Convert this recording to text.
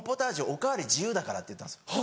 お代わり自由だから」って言ったんですよ。